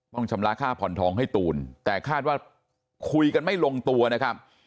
ชำระค่าผ่อนทองให้ตูนแต่คาดว่าคุยกันไม่ลงตัวนะครับ